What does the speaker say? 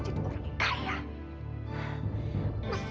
ibu harus jadi orang yang kaya